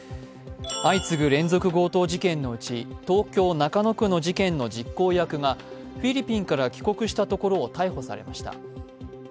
相次ぐ連続強盗事件のうち東京・中野区の実行役の男がフィリピンから帰国したところを逮捕されました。